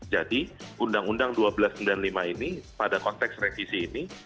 jadi undang undang seribu dua ratus sembilan puluh lima ini pada konteks revisi ini